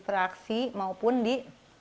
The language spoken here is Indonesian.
fraksi maupun di